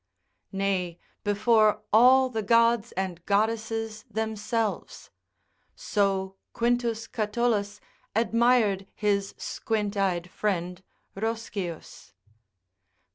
Nay, before all the gods and goddesses themselves. So Quintus Catullus admired his squint eyed friend Roscius.